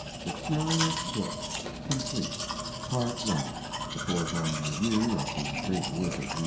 THE CURIOUS BOOK COMPLETE (The foregoing review of the great work of G.